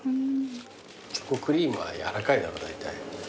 チョコクリームはやわらかいだろだいたい。